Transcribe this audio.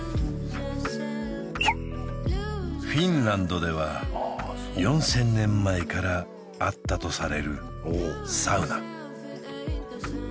フィンランドでは４０００年前からあったとされるサウナ